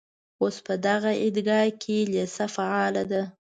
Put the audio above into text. اوس په دغه عیدګاه کې لېسه فعاله ده.